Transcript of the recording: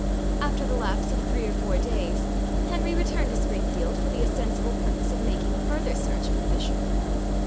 After the lapse of three or four days, Henry returned to Springfield, for the ostensible purpose of makings further search for Fisher.